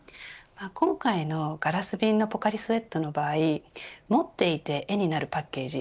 今回のガラス瓶のポカリスエットの場合持っていて絵になるパッケージ